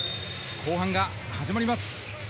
後半が始まります。